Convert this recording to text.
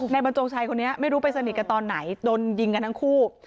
บรรจงชัยคนนี้ไม่รู้ไปสนิทกันตอนไหนโดนยิงกันทั้งคู่